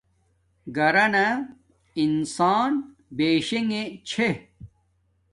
گھرانا انسان بیشنگے چھے